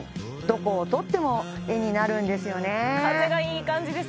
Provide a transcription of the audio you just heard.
どこをとっても絵になるんですよね